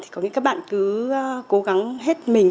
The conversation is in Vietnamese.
có nghĩa các bạn cứ cố gắng hết mình